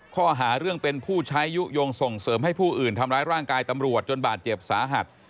ข้อหาเรื่องเป็นผู้ใช้ยุโยงส่งเสริมให้ผู้อื่นทำร้ายร่างกายตำรวจจนบาดเจ็บสาหัส